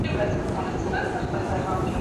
مشاورینو به ځانګړي استازي لیږلي وي.